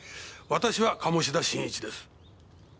私は鴨志田新一です。